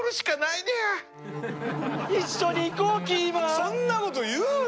そんなこと言うなよ！